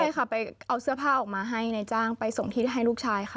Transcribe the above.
ใช่ค่ะไปเอาเสื้อผ้าออกมาให้ในจ้างไปส่งที่ให้ลูกชายค่ะ